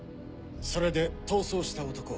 それで逃走した男は？